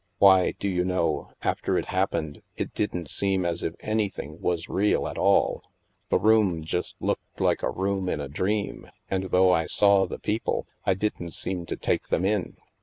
Why, do you know, after it happened, it didn't seem as if anything was real at all. The room just looked like a room in a dream, and though I saw the people, I didn't seem to take them in.